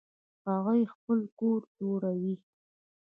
هغوی خپل کور جوړوي